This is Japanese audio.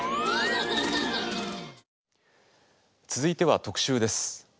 続いては特集です。